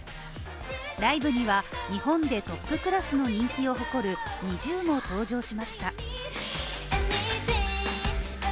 ライブには、日本でトップクラスの人気を誇るＮｉｚｉＵも登場しました。